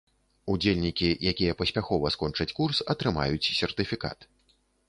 Удзельнікі, якія паспяхова скончаць курс, атрымаюць сертыфікат.